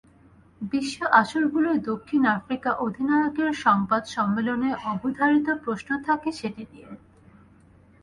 বিশ্ব আসরগুলোয় দক্ষিণ আফ্রিকা অধিনায়কের সংবাদ সম্মেলনে অবধারিত প্রশ্ন থাকে সেটি নিয়ে।